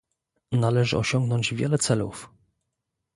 Należy osiągnąć wiele celów